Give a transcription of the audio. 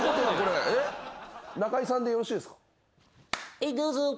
「はいどうぞ。